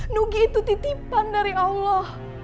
nugi itu titipan dari allah